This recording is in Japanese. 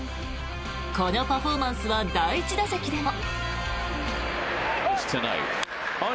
このパフォーマンスは第１打席でも。